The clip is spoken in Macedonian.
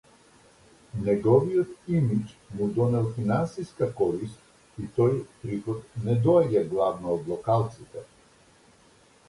Неговиот имиџ му донел финансиска корист и тој приход не доаѓа главно од локалците.